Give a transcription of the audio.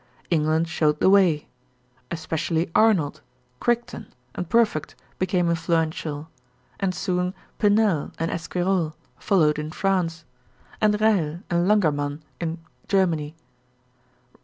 England showed the way. Especially Arnold, Crichton, and Perfect became influential; and soon Pinel and Esquirol followed in France; and Reil and Langermann in Germany.